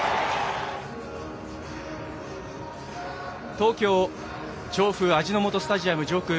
東京・調布味の素スタジアム上空。